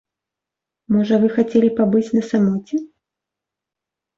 Можа, вы хацелі пабыць на самоце?